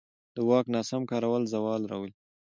د واک ناسم کارول زوال راولي